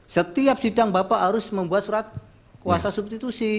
setiap sidang bapak harus membuat surat kuasa substitusi